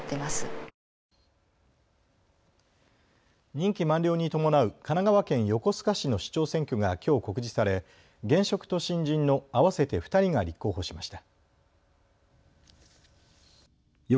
任期満了に伴う神奈川県横須賀市の市長選挙がきょう告示され、現職と新人の合わせて２人が立候補しました。